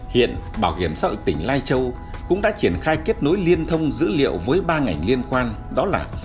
hiện bảo hiểm xã hội tỉnh lai châu cũng đã triển khai kết nối liên thông dữ liệu với ba ngành liên quan đó là